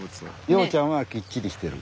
陽ちゃんはきっちりしてる。